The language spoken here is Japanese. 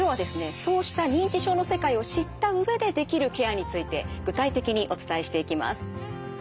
そうした認知症の世界を知った上でできるケアについて具体的にお伝えしていきます。